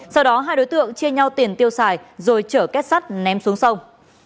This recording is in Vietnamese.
sau đó hai đối tượng chia nhau tiền tiêu xài rồi chở kết sắt ném xuống sông